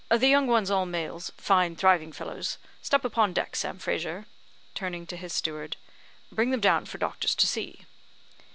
"The young ones all males fine thriving fellows. Step upon deck, Sam Frazer," turning to his steward; "bring them down for doctors to see."